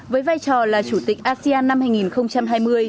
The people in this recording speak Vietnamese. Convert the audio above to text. với vai trò là chủ tịch asean năm hai nghìn hai mươi